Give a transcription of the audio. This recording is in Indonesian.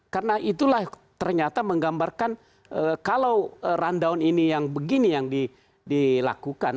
karena itulah ternyata menggambarkan kalau rundown ini yang begini yang dilakukan